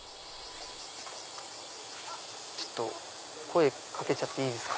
ちょっと声掛けていいですか？